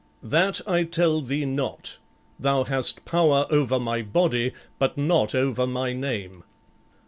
"That I tell thee not. Thou hast power over my body, but not over my name."